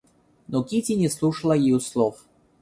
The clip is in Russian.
Но Кити не слушала ее слов.